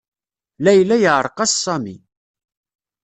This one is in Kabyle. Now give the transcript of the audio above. Layla yeɛreq-as Sami.